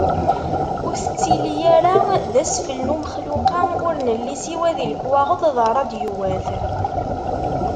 Ur tettili ara d asfel n umexluq-a ur nelli siwa di lekwaɣeḍ d radyuwat.